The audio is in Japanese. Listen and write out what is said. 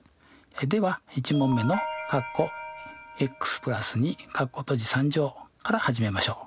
では１問目のから始めましょう。